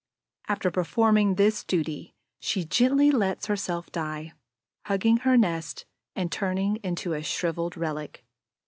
After performing this duty, she gently lets herself die, hugging her nest and turning into a shriveled relic.